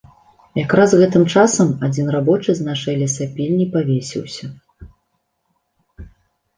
Якраз гэтым часам адзін рабочы з нашай лесапільні павесіўся.